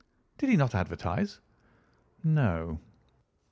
"Did he not advertise?" "No."